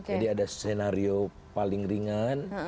jadi ada senario paling ringan